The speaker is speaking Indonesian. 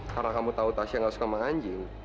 karena kamu tahu tasya nggak suka sama anjing